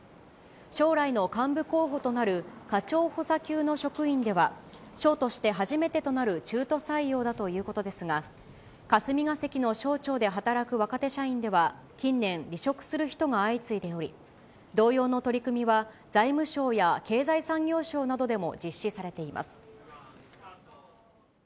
将来の幹部候補となる課長補佐級の職員では、省として初めてとなる中途採用だということですが、霞が関の省庁で働く若手社員では、近年、離職する人が相次いでおり、同様の取り組みは、財務省や経済産業省などでも実施されています。